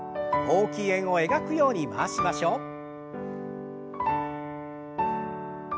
大きい円を描くように回しましょう。